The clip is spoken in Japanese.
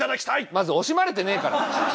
まず惜しまれてねえから。